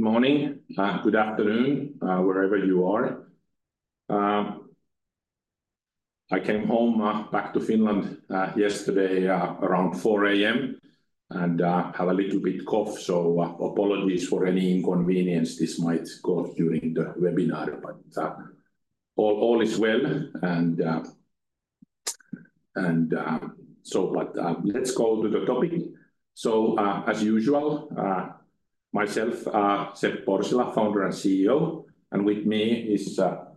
Good morning. Good afternoon, wherever you are. I came home back to Finland yesterday around 4:00 A.M., and have a little bit cough, so apologies for any inconvenience this might cause during the webinar, but all is well. So, let's go to the topic. So, as usual, myself, Seppo Orsila, founder and CEO, and with me is our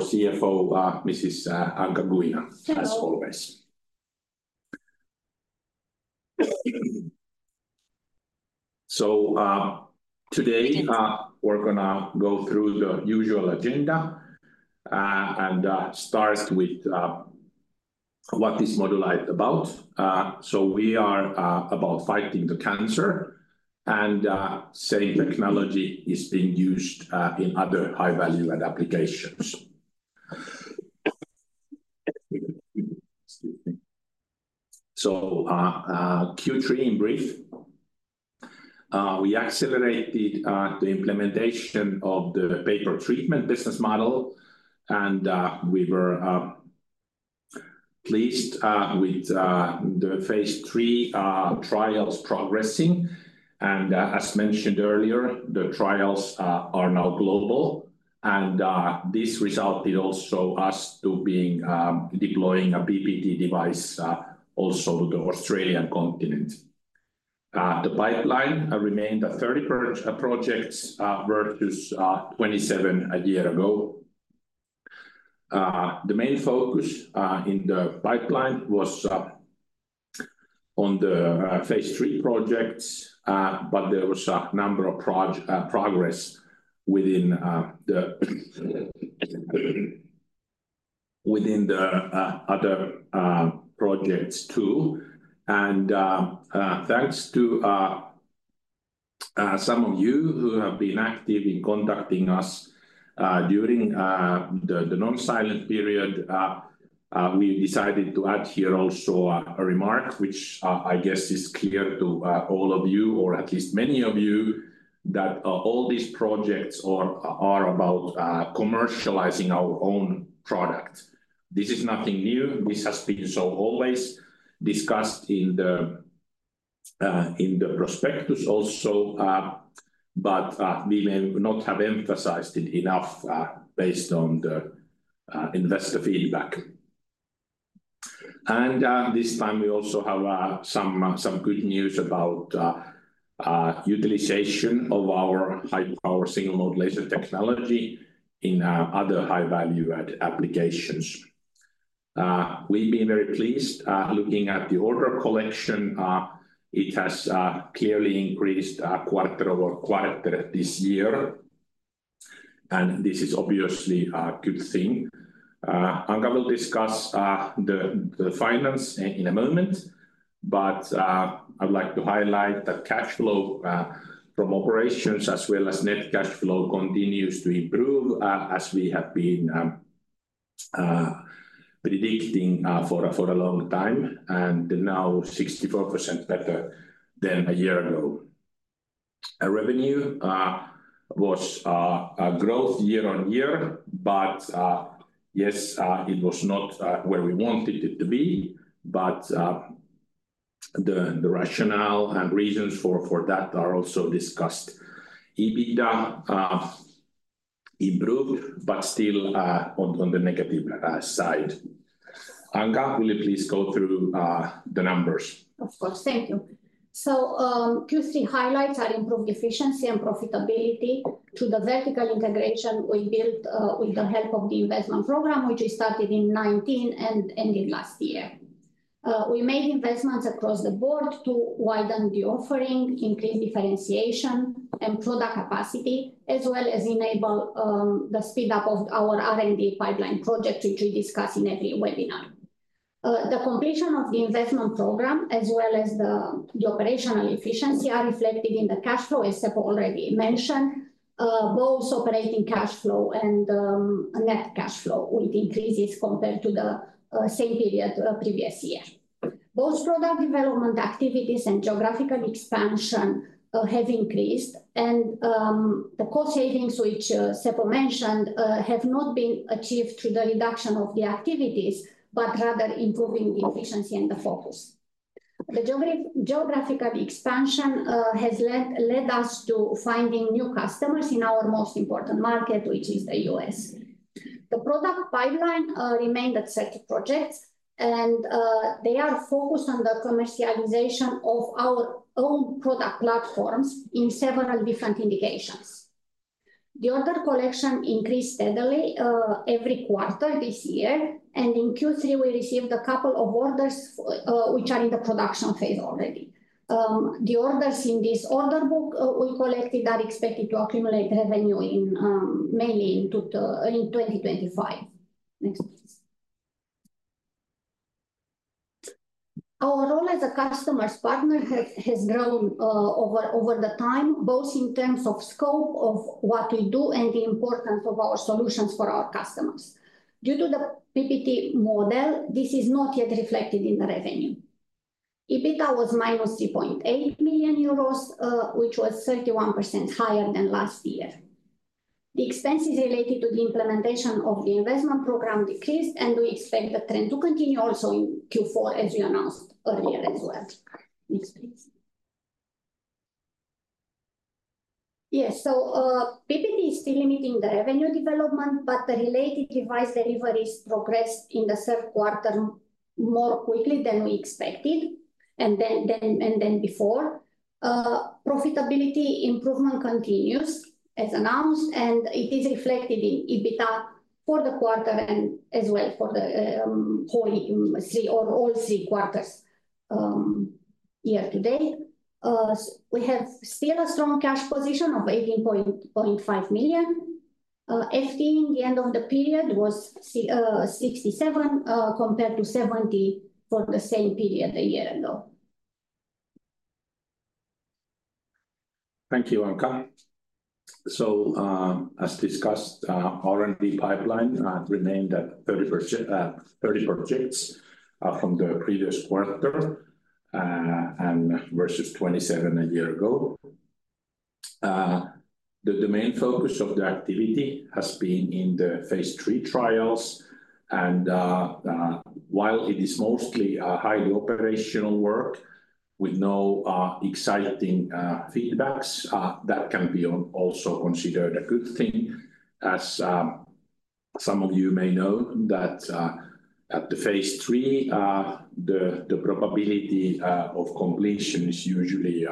CFO, Mrs. Anca Guina- Hello As always. Today, we're gonna go through the usual agenda and start with what is Modulight about. So we are about fighting the cancer and same technology is being used in other high-value add applications. Excuse me. So, Q3 in brief. We accelerated the implementation of the pay-per-treatment business model, and we were pleased with the phase III trials progressing. As mentioned earlier, the trials are now global, and this resulted also us to being deploying a PPT device also to the Australian continent. The pipeline remained at 30 projects versus 27 a year ago. The main focus in the pipeline was on the phase III projects, but there was a number of progress within the other projects, too. And thanks to some of you who have been active in contacting us during the non-silent period, we decided to add here also a remark, which I guess is clear to all of you, or at least many of you, that all these projects are about commercializing our own product. This is nothing new. This has been so always discussed in the prospectus also, but we may not have emphasized it enough based on the investor feedback. And this time we also have some good news about utilization of our high-power single mode laser technology in other high-value add applications. We've been very pleased looking at the order collection. It has clearly increased quarter-over-quarter this year, and this is obviously a good thing. Anca will discuss the finance in a moment, but I'd like to highlight that cash flow from operations, as well as net cash flow, continues to improve as we have been predicting for a long time, and now 64% better than a year ago. Our revenue was a growth year on year, but yes, it was not where we wanted it to be, but the rationale and reasons for that are also discussed. EBITDA improved, but still on the negative side. Anca, will you please go through the numbers? Of course. Thank you. So, Q3 highlights are improved efficiency and profitability to the vertical integration we built with the help of the investment program, which we started in 2019 and ended last year. We made investments across the board to widen the offering, increase differentiation and product capacity, as well as enable the speed up of our R&D pipeline project, which we discuss in every webinar. The completion of the investment program, as well as the operational efficiency, are reflected in the cash flow, as Seppo already mentioned. Both operating cash flow and net cash flow with increases compared to the same period previous year. Both product development activities and geographical expansion have increased, and the cost savings, which Seppo mentioned, have not been achieved through the reduction of the activities, but rather improving the efficiency and the focus. The geographical expansion has led us to finding new customers in our most important market, which is the U.S. The product pipeline remained at 30 projects, and they are focused on the commercialization of our own product platforms in several different indications. The order collection increased steadily every quarter this year, and in Q3, we received a couple of orders, which are in the production phase already. The orders in this order book we collected are expected to accumulate revenue mainly in 2025. Next, please. Our role as a customers' partner has grown over the time, both in terms of scope of what we do and the importance of our solutions for our customers. Due to the PPT model, this is not yet reflected in the revenue. EBITDA was minus 3.8 million euros, which was 31% higher than last year. The expenses related to the implementation of the investment program decreased, and we expect the trend to continue also in Q4, as we announced earlier as well. Next, please. Yeah, so, PPT is still limiting the revenue development, but the related device deliveries progressed in the third quarter more quickly than we expected, and then before. Profitability improvement continues as announced, and it is reflected in EBITDA for the quarter and as well for the whole three or all three quarters, year to date. We have still a strong cash position of 18.5 million. FTE in the end of the period was 67, compared to 70 for the same period a year ago. Thank you, Anca. So, as discussed, R&D pipeline remained at 30%, 30 projects, from the previous quarter, and versus 27 a year ago. The domain focus of the activity has been in the phase III trials, and while it is mostly highly operational work with no exciting feedbacks, that can be also considered a good thing. As some of you may know, that at the phase III, the probability of completion is usually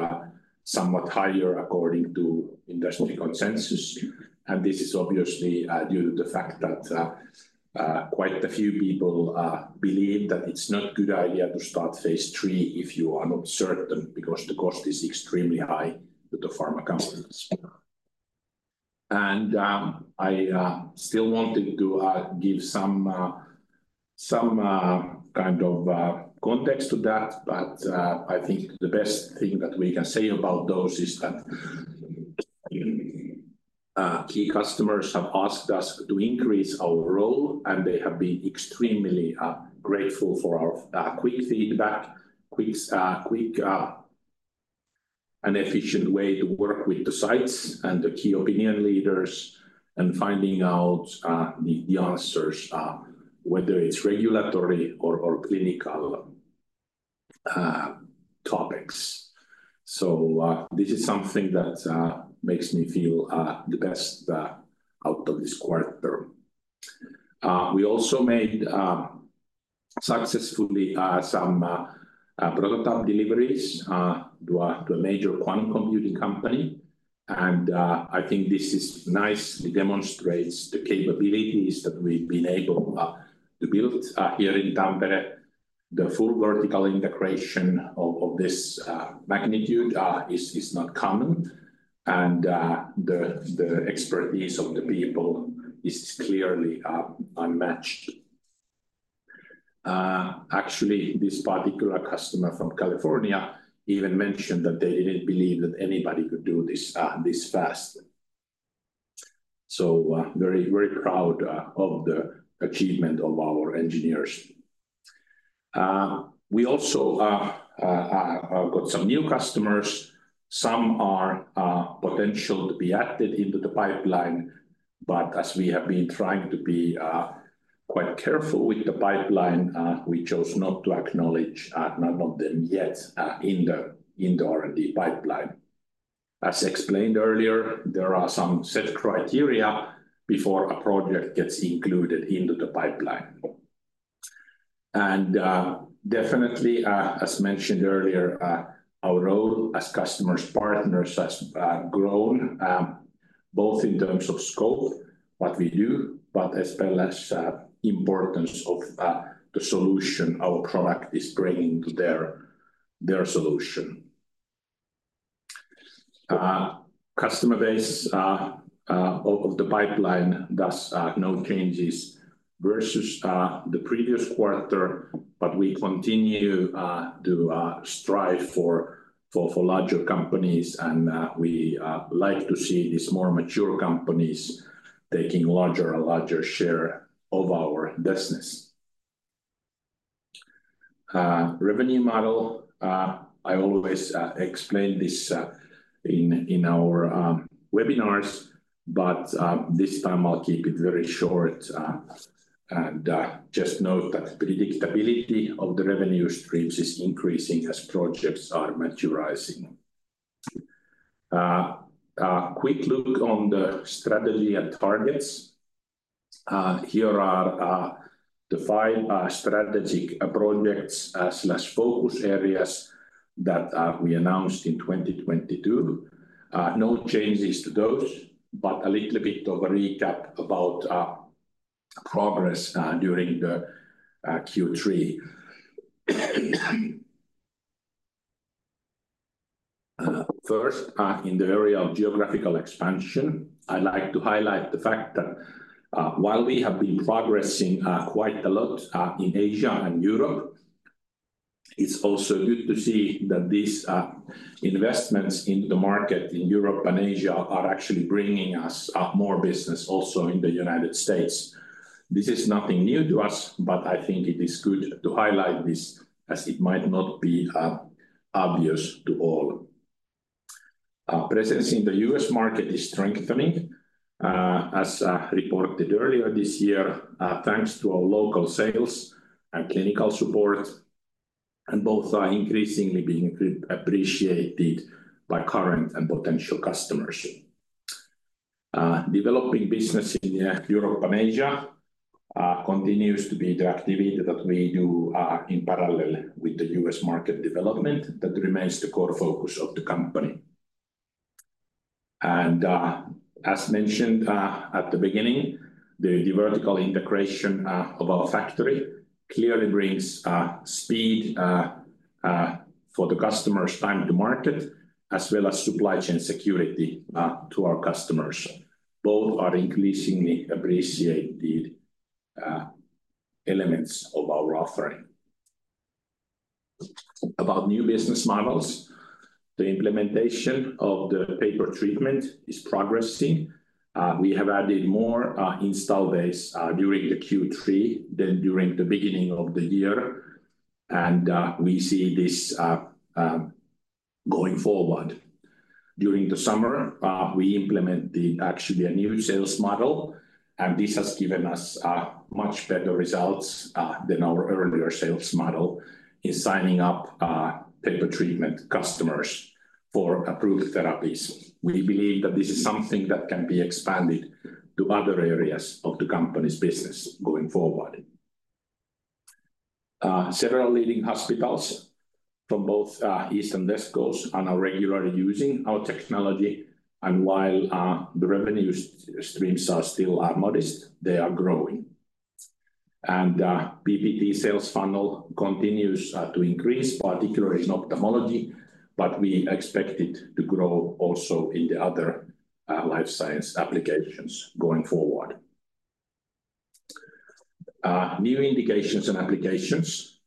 somewhat higher according to industry consensus, and this is obviously due to the fact that quite a few people believe that it's not a good idea to start phase III if you are not certain because the cost is extremely high to the pharma companies. And I still wanted to give some kind of context to that, but I think the best thing that we can say about those is that key customers have asked us to increase our role, and they have been extremely grateful for our quick feedback, quick and efficient way to work with the sites and the key opinion leaders and finding out the answers whether it's regulatory or clinical topics. So this is something that makes me feel the best out of this quarter. We also made successfully some prototype deliveries to a major quantum computing company, and I think this is nicely demonstrates the capabilities that we've been able to build here in Tampere. The full vertical integration of this magnitude is not common, and the expertise of the people is clearly unmatched. Actually, this particular customer from California even mentioned that they didn't believe that anybody could do this fast. So, very, very proud of the achievement of our engineers. We also got some new customers. Some are potential to be added into the pipeline, but as we have been trying to be quite careful with the pipeline, we chose not to acknowledge none of them yet in the R&D pipeline. As explained earlier, there are some set criteria before a project gets included into the pipeline. And, definitely, as mentioned earlier, our role as customers, partners has grown both in terms of scope, what we do, but as well as importance of the solution our product is bringing to their solution. Customer base of the pipeline, thus no changes versus the previous quarter, but we continue to strive for larger companies, and we like to see these more mature companies taking larger and larger share of our business. Revenue model, I always explain this in our webinars, but this time I'll keep it very short, and just note that predictability of the revenue streams is increasing as projects are maturing. A quick look on the strategy and targets. Here are the five strategic projects slash focus areas that we announced in 2022. No changes to those, but a little bit of a recap about progress during the Q3. First, in the area of geographical expansion, I'd like to highlight the fact that, while we have been progressing quite a lot in Asia and Europe, it's also good to see that these investments in the market in Europe and Asia are actually bringing us more business also in the United States. This is nothing new to us, but I think it is good to highlight this, as it might not be obvious to all. Presence in the U.S. market is strengthening, as reported earlier this year, thanks to our local sales and clinical support, and both are increasingly being appreciated by current and potential customers. Developing business in Europe and Asia continues to be the activity that we do in parallel with the U.S. market development. That remains the core focus of the company. As mentioned at the beginning, the vertical integration of our factory clearly brings speed for the customer's time to market, as well as supply chain security to our customers. Both are increasingly appreciated elements of our offering. About new business models, the implementation of the pay-per-treatment is progressing. We have added more installed base during the Q3 than during the beginning of the year, and we see this going forward. During the summer, we implemented actually a new sales model, and this has given us much better results than our earlier sales model in signing up pay-per-treatment customers for approved therapies. We believe that this is something that can be expanded to other areas of the company's business going forward. Several leading hospitals from both East Coast and West Coast are now regularly using our technology, and while the revenue streams are still modest, they are growing, and PPT sales funnel continues to increase, particularly in ophthalmology, but we expect it to grow also in the other life science applications going forward. New indications and applications.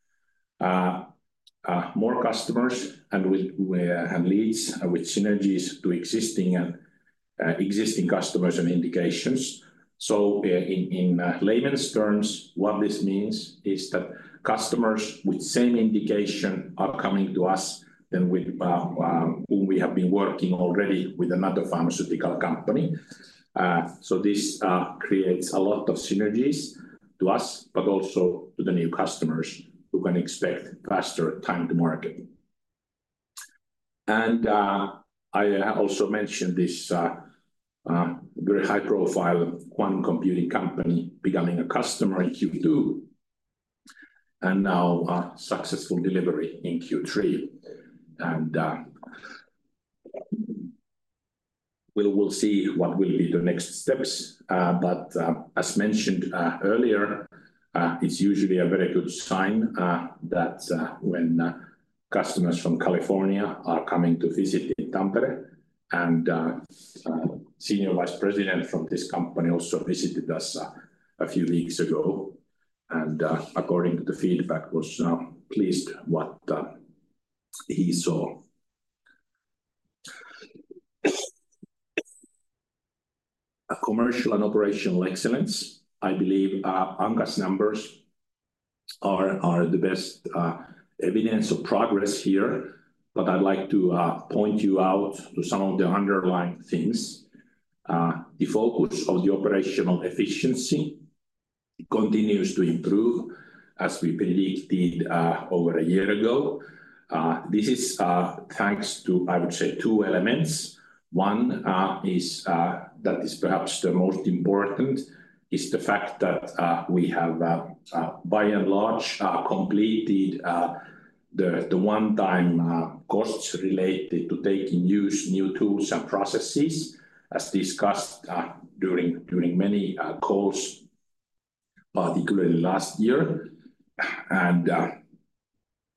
More customers and leads with synergies to existing customers and indications. So in layman's terms, what this means is that customers with same indication are coming to us than with whom we have been working already with another pharmaceutical company. So this creates a lot of synergies to us, but also to the new customers, who can expect faster time to market. I also mentioned this very high-profile quantum computing company becoming a customer in Q2, and now a successful delivery in Q3. We will see what will be the next steps. But as mentioned earlier, it's usually a very good sign that when customers from California are coming to visit in Tampere. And, Senior Vice President from this company also visited us a few weeks ago, and according to the feedback, was pleased what he saw. A commercial and operational excellence, I believe, Angus' numbers are the best evidence of progress here. But I'd like to point you out to some of the underlying things. The focus of the operational efficiency continues to improve, as we predicted, over a year ago. This is, thanks to, I would say, two elements. One, is that is perhaps the most important, is the fact that we have by and large completed the one-time costs related to taking use new tools and processes, as discussed, during many calls, particularly last year.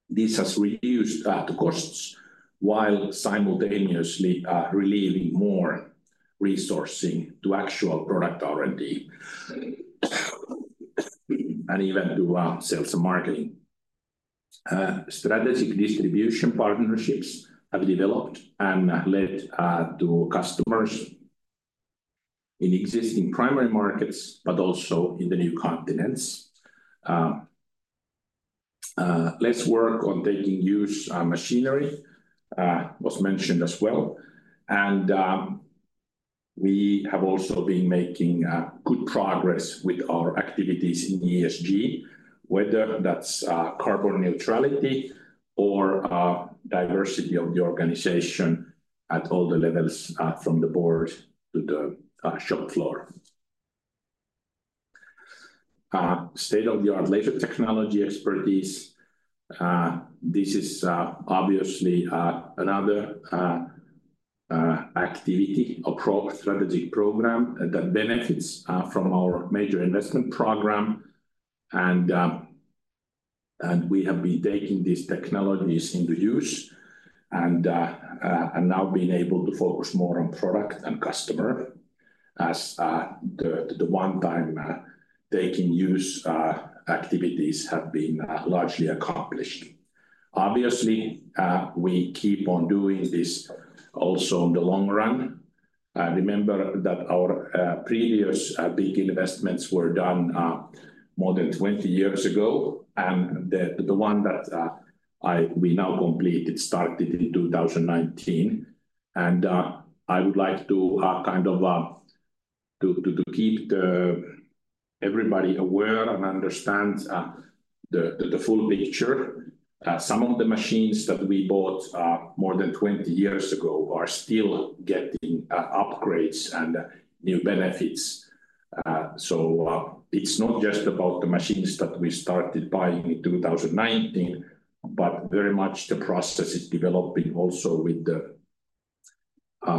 This has reduced the costs, while simultaneously relieving more resourcing to actual product R&D, and even to sales and marketing. Strategic distribution partnerships have developed and led to customers in existing primary markets, but also in the new continents. Less work on making use of machinery was mentioned as well. We have also been making good progress with our activities in ESG, whether that's carbon neutrality or diversity of the organization at all the levels from the board to the shop floor. State-of-the-art laser technology expertise, this is obviously another activity or strategic program that benefits from our major investment program. And we have been taking these technologies into use, and now being able to focus more on product and customer as the one-time taking use activities have been largely accomplished. Obviously, we keep on doing this also in the long run. Remember that our previous big investments were done more than twenty years ago, and the one that we now completed started in two thousand and nineteen. And I would like to kind of to keep everybody aware and understand the full picture. Some of the machines that we bought more than twenty years ago are still getting upgrades and new benefits. It's not just about the machines that we started buying in two thousand and nineteen, but very much the process is developing also with the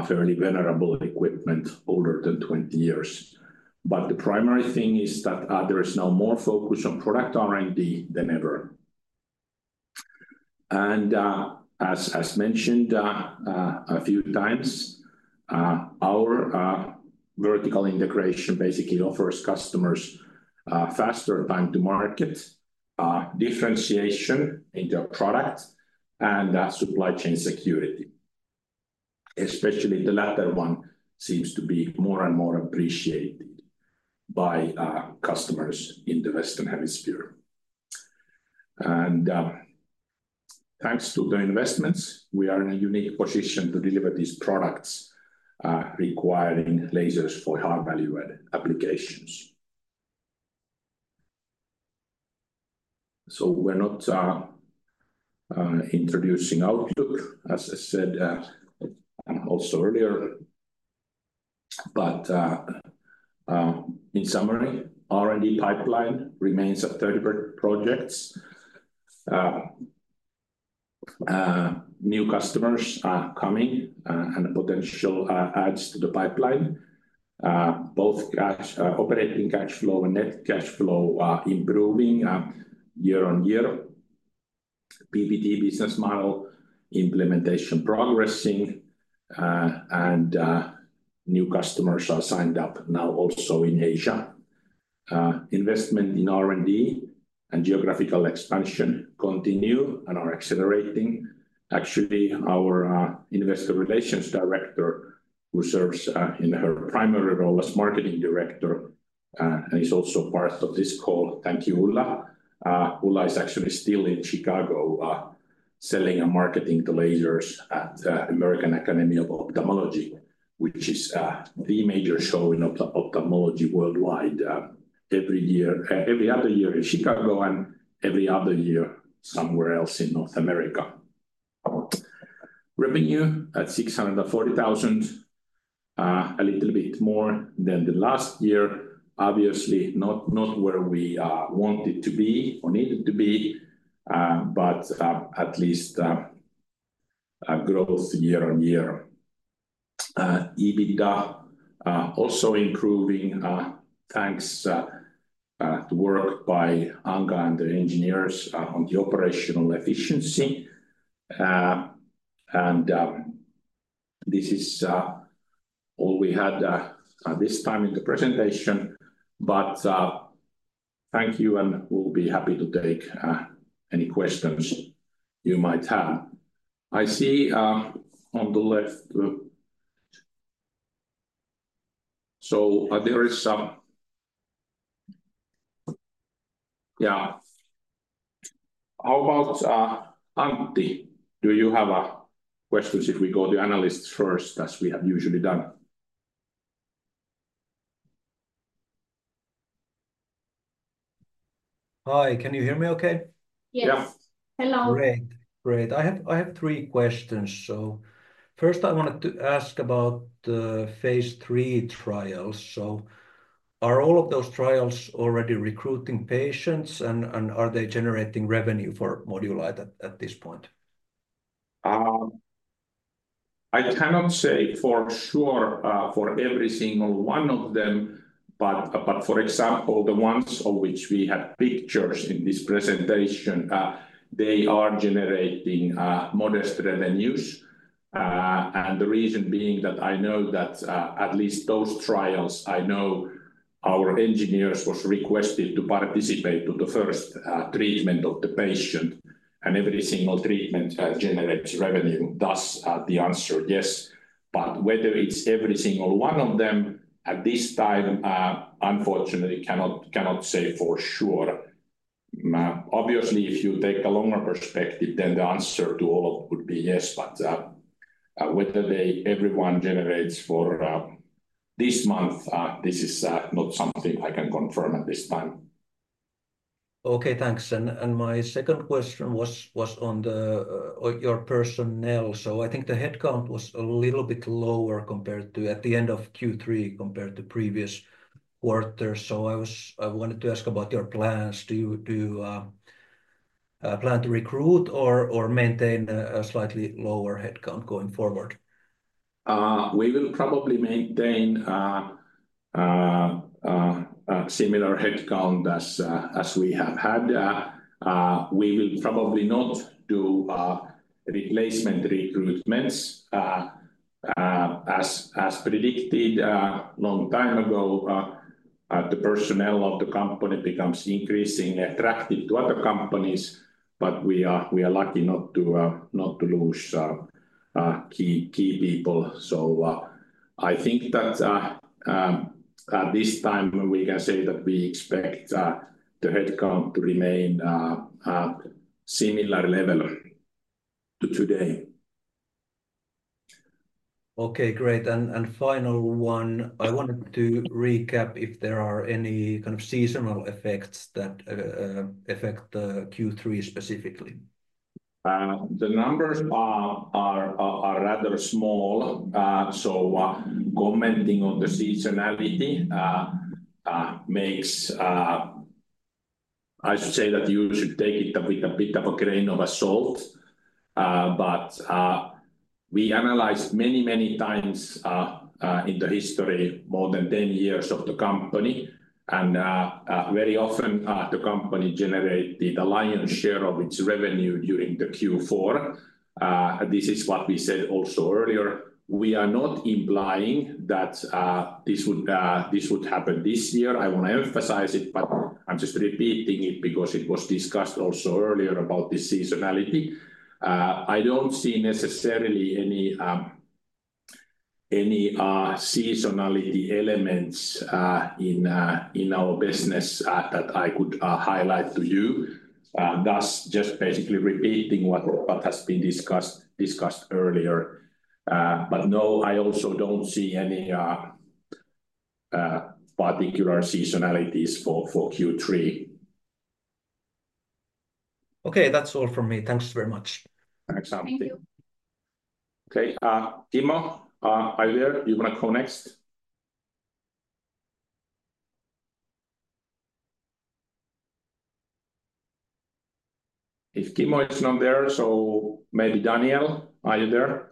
fairly venerable equipment older than twenty years. But the primary thing is that there is now more focus on product R&D than ever. And as mentioned a few times our vertical integration basically offers customers faster time to market, differentiation in their product, and supply chain security. Especially the latter one seems to be more and more appreciated by customers in the Western Hemisphere. And thanks to the investments, we are in a unique position to deliver these products requiring lasers for high value-added applications. So we're not introducing outlook, as I said also earlier. But, in summary, R&D pipeline remains at thirty projects. New customers are coming, and potential adds to the pipeline. Both cash operating cash flow and net cash flow are improving year on year. PPT business model implementation progressing, and new customers are signed up now also in Asia. Investment in R&D and geographical expansion continue and are accelerating. Actually, our investor relations director, who serves in her primary role as marketing director, and is also part of this call. Thank you, Ulla. Ulla is actually still in Chicago, selling and marketing the lasers at American Academy of Ophthalmology, which is the major show in ophthalmology worldwide, every other year in Chicago, and every other year somewhere else in North America. Revenue at 640,000, a little bit more than the last year. Obviously, not where we wanted to be or needed to be, but at least a growth year on year. EBITDA also improving, thanks to work by Anca and the engineers on the operational efficiency. And this is all we had at this time in the presentation, but thank you, and we'll be happy to take any questions you might have. I see on the left. So there is. Yeah. How about Antti, do you have questions if we go to analysts first, as we have usually done? Hi, can you hear me okay? Yes. Yes. Hello. Great. I have three questions. So first, I wanted to ask about the phase three trials. So are all of those trials already recruiting patients, and are they generating revenue for Modulight at this point? I cannot say for sure for every single one of them, but for example, the ones of which we have pictures in this presentation, they are generating modest revenues. And the reason being that I know that at least those trials, I know our engineers was requested to participate to the first treatment of the patient, and every single treatment generates revenue. Thus, the answer yes. But whether it is every single one of them at this time, unfortunately, cannot say for sure. Obviously, if you take a longer perspective, then the answer to all of them would be yes. But whether everyone generates for this month, this is not something I can confirm at this time. Okay, thanks. And my second question was on your personnel. So I think the headcount was a little bit lower compared to at the end of Q3 compared to previous quarters. So I wanted to ask about your plans. Do you plan to recruit or maintain a slightly lower headcount going forward? We will probably maintain a similar headcount as we have had. We will probably not do replacement recruitments. As predicted long time ago, the personnel of the company becomes increasingly attractive to other companies, but we are lucky not to lose key people. So, I think that at this time we can say that we expect the headcount to remain similar level to today. Okay, great. And final one, I wanted to recap if there are any kind of seasonal effects that affect Q3 specifically? The numbers are rather small. I should say that you should take it with a bit of a grain of salt, but we analyzed many, many times in the history, more than 10 years of the company, and very often the company generated the lion's share of its revenue during the Q4. This is what we said also earlier. We are not implying that this would happen this year. I want to emphasize it, but I'm just repeating it because it was discussed also earlier about the seasonality. I don't see necessarily any seasonality elements in our business that I could highlight to you. Thus, just basically repeating what has been discussed earlier, but no, I also don't see any particular seasonalities for Q3. Okay, that's all from me. Thanks very much. Thanks, Antti. Thank you. Okay, Kimmo, are you there? You want to go next? If Kimmo is not there, so maybe Daniel, are you there?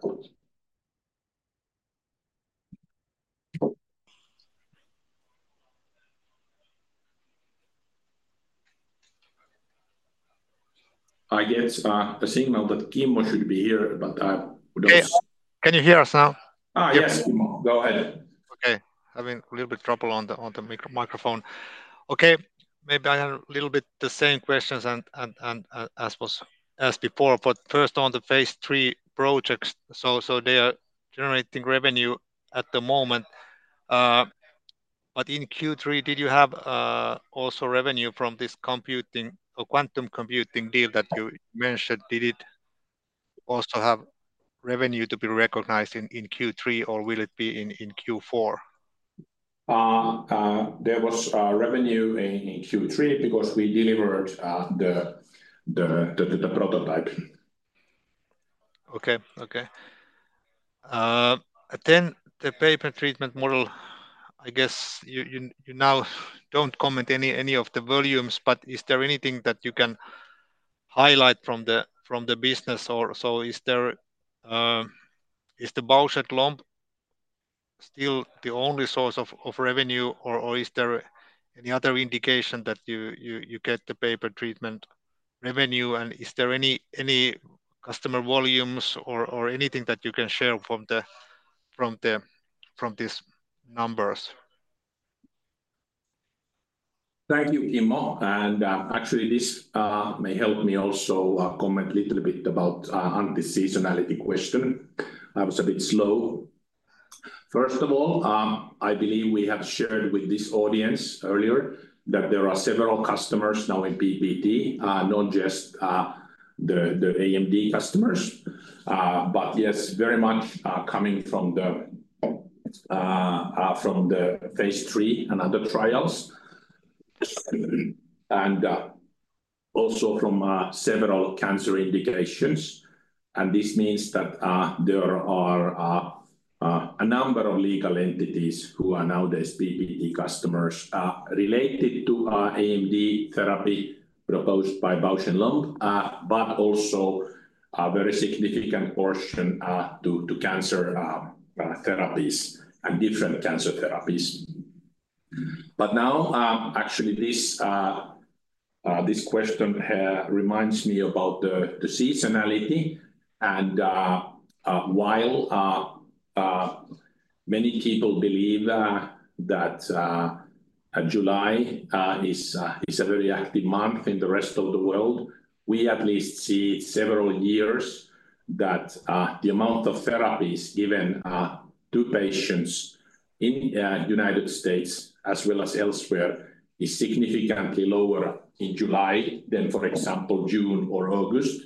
I get a signal that Kimmo should be here, but we don't- Can you hear us now? Yes, Kimmo. Go ahead. Okay. Maybe I have a little bit the same questions as was asked before, but first on the phase three projects, they are generating revenue at the moment, but in Q3, did you have also revenue from this computing or quantum computing deal that you mentioned? Did it also have revenue to be recognized in Q3, or will it be in Q4? There was revenue in Q3 because we delivered the prototype. Okay. Then the pay-per-treatment model, I guess you now don't comment any of the volumes, but is there anything that you can highlight from the business? Or so, is the Bausch + Lomb still the only source of revenue, or is there any other indication that you get the pay-per-treatment revenue? And is there any customer volumes or anything that you can share from these numbers? Thank you, Kimmo. And, actually, this may help me also comment little bit about on the seasonality question. I was a bit slow. First of all, I believe we have shared with this audience earlier that there are several customers now in PPT, not just the AMD customers. But yes, very much coming from the phase III and other trials, and also from several cancer indications. And this means that there are a number of legal entities who are now the PPT customers, related to AMD therapy proposed by Bausch + Lomb, but also a very significant portion to cancer therapies and different cancer therapies. But now, actually, this question reminds me about the seasonality. While many people believe that July is a very active month in the rest of the world, we at least see several years that the amount of therapies given to patients in United States, as well as elsewhere, is significantly lower in July than, for example, June or August.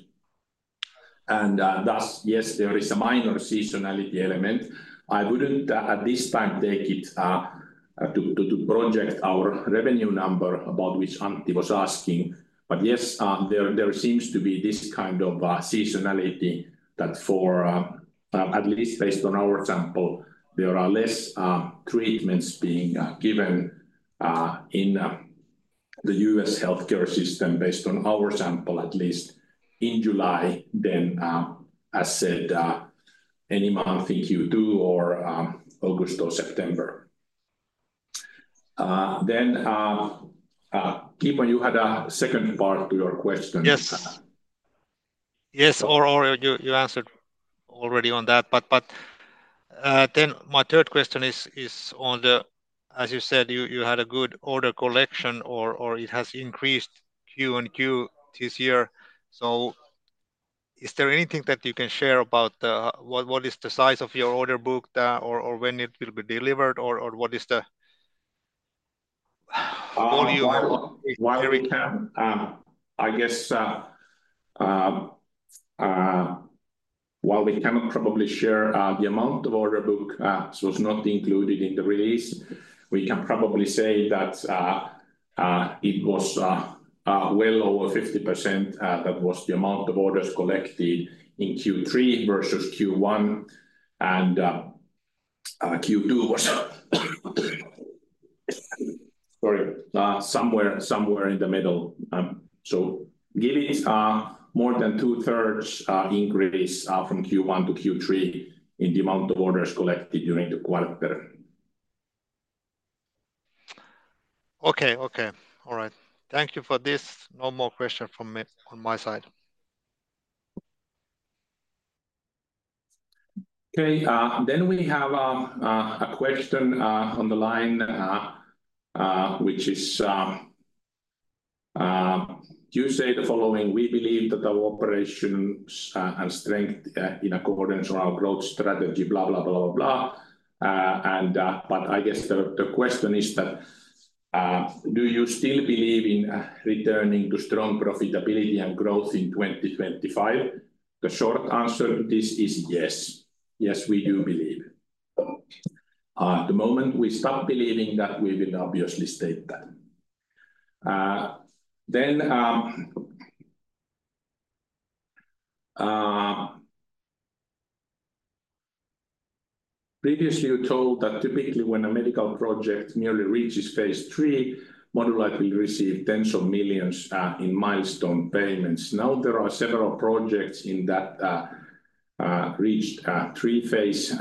Thus, yes, there is a minor seasonality element. I wouldn't at this time take it to project our revenue number, about which Antti was asking. But yes, there seems to be this kind of seasonality that, for at least based on our sample, there are less treatments being given in the U.S. healthcare system, based on our sample, at least in July, than, as said, any month in Q2 or August or September. Then, Kimmo, you had a second part to your question. Yes. Yes, or you answered already on that. But then my third question is on the, as you said, you had a good order collection or it has increased Q on Q this year. So is there anything that you can share about what is the size of your order book, or when it will be delivered, or what is the volume? While we can, I guess, while we cannot probably share the amount of order book, so it's not included in the release, we can probably say that it was well over 50%, that was the amount of orders collected in Q3 versus Q1, and Q2 was, sorry, somewhere in the middle. So giving more than two-thirds increase from Q1 to Q3 in the amount of orders collected during the quarter. Okay, okay. All right. Thank you for this. No more question from me on my side. Okay, then we have a question on the line, which is: You say the following, "We believe that our operations have strength in accordance with our growth strategy," blah, blah, blah, blah, blah. And but I guess the question is that, do you still believe in returning to strong profitability and growth in twenty twenty-five? The short answer to this is yes. Yes, we do believe. The moment we stop believing that, we will obviously state that. Then... Previously, you told that typically when a medical project nearly reaches Phase III, Modulight will receive tens of millions in milestone payments. Now, there are several projects in that reached phase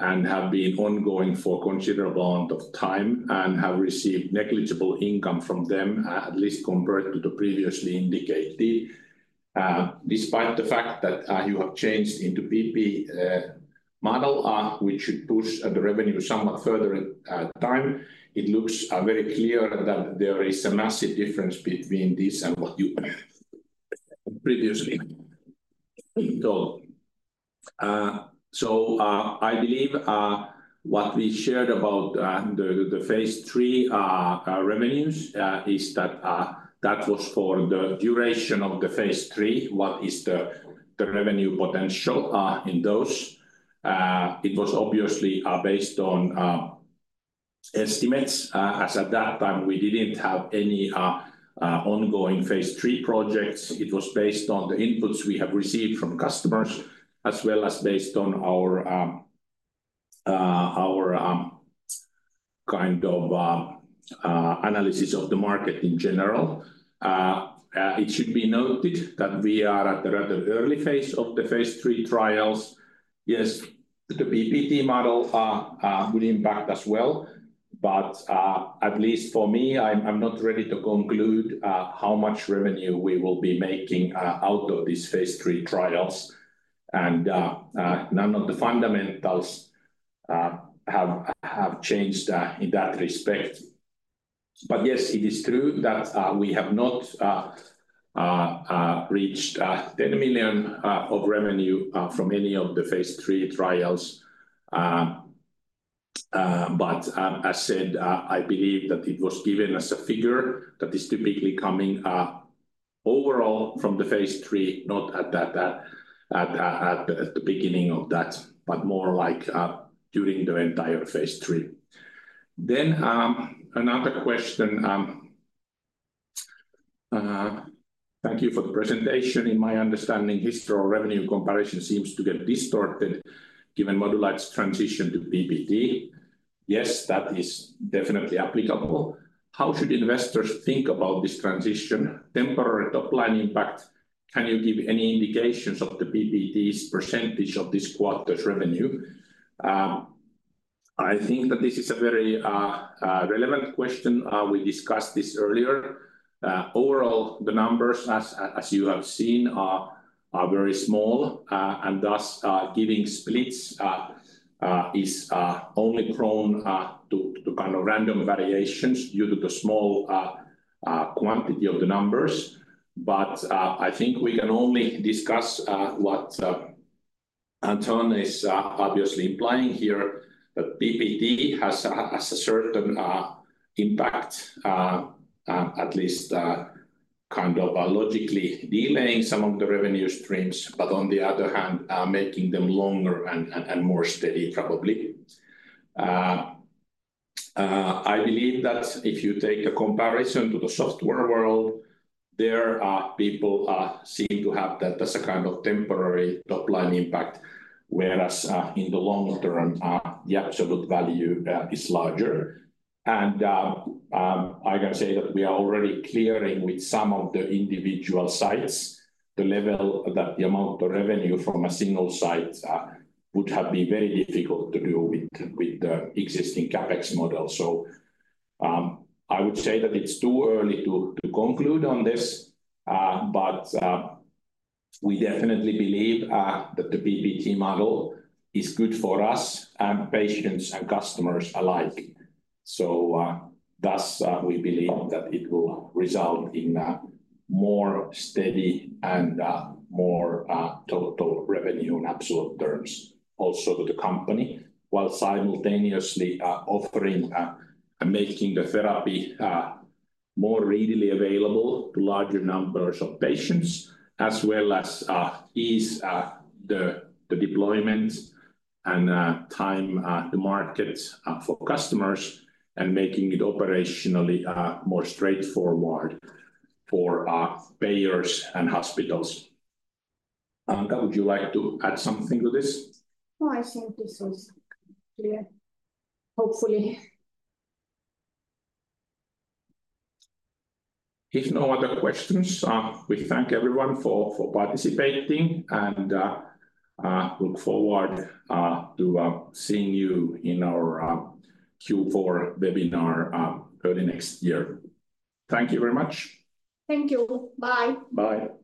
III and have been ongoing for a considerable amount of time and have received negligible income from them, at least compared to the previously indicated. Despite the fact that you have changed into PPT model, which should push the revenue somewhat further time, it looks very clear that there is a massive difference between this and what you planned previously. I believe what we shared about the phase III revenues is that that was for the duration of the phase III, what is the revenue potential in those. It was obviously based on estimates, as at that time we didn't have any ongoing phase III projects. It was based on the inputs we have received from customers, as well as based on our kind of analysis of the market in general. It should be noted that we are at the rather early phase of the phase III trials. Yes, the PPT model will impact as well, but at least for me, I'm not ready to conclude how much revenue we will be making out of these phase III trials, and none of the fundamentals have changed in that respect, but yes, it is true that we have not reached ten million of revenue from any of the phase III trials. As said, I believe that it was given as a figure that is typically coming overall from the phase III, not at the beginning of that, but more like during the entire phase III. Another question: Thank you for the presentation. In my understanding, historical revenue comparison seems to get distorted given Modulight's transition to PPT. Yes, that is definitely applicable. How should investors think about this transition? Temporary top-line impact. Can you give any indications of the PPT's percentage of this quarter's revenue? I think that this is a very relevant question. We discussed this earlier. Overall, the numbers, as you have seen, are very small, and thus, giving splits is only prone to kind of random variations due to the small quantity of the numbers. But I think we can only discuss what Antti is obviously implying here, that PPT has a certain impact, at least kind of logically delaying some of the revenue streams, but on the other hand, making them longer and more steady, probably. I believe that if you take a comparison to the software world, there are people seem to have that as a kind of temporary top-line impact, whereas in the longer term, the absolute value is larger. I can say that we are already clearing with some of the individual sites the level that the amount of revenue from a single site would have been very difficult to do with the existing CapEx model. So I would say that it's too early to conclude on this but we definitely believe that the PPT model is good for us and patients and customers alike. Thus, we believe that it will result in a more steady and more total revenue in absolute terms also to the company, while simultaneously offering and making the therapy more readily available to larger numbers of patients, as well as ease the deployment and time to market for customers and making it operationally more straightforward for payers and hospitals. Anca, would you like to add something to this? No, I think this was clear, hopefully. If no other questions, we thank everyone for participating, and look forward to seeing you in our Q4 webinar early next year. Thank you very much. Thank you. Bye. Bye.